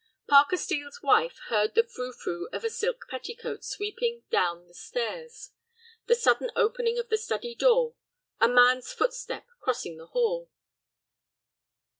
Parker Steel's wife heard the frou frou of a silk petticoat sweeping down the stairs, the sudden opening of the study door, a man's footstep crossing the hall.